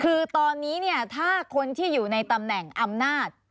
คือตอนนี้เนี่ยถ้าคนที่อยู่ในตำแหน่งอำนาจ